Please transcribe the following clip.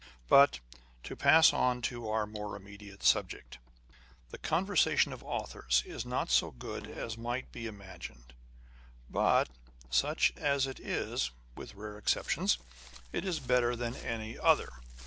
â€" But to pass on to our more immediate subject. The conversation of authors is not so good as might be imagined : but, such as it is (and with rare exceptions) it is better than any other.